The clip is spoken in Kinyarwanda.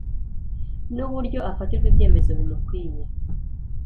n uburyo afatirwa ibyemezo bimukwiye